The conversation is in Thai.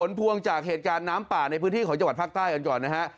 พวงจากเหตุการณ์น้ำป่าในพื้นที่ของจังหวัดภาคใต้กันก่อนนะฮะ